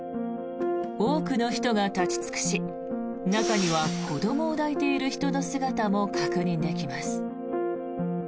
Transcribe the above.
多くの人が立ち尽くし中には子どもを抱いている人の姿も確認できます。